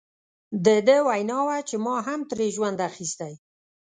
د ده وینا وه چې ما هم ترې ژوند اخیستی.